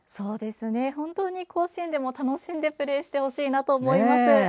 本当に甲子園でも楽しんでプレーしてほしいなと思います。